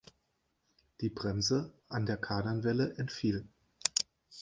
Die Bremse an der Kardanwelle entfiel.